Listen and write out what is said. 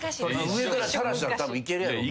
上から垂らしたらたぶんいけるやろ。